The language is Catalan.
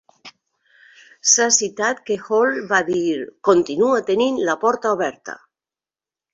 S'ha citat que Hall va dir "continua tenint la porta oberta".